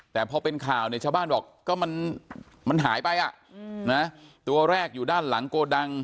แต่พอเป็นข่าวเนี่ยชาวบ้านบอกก็มันหายไปตัวแรกอยู่ด้านหลังโกดัง